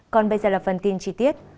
còn bây giờ là phần tin chi tiết